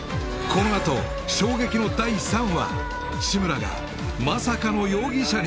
このあと衝撃の第３話志村がまさかの容疑者に？